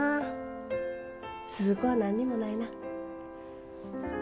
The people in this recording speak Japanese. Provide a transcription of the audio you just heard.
鈴子は何にもないな。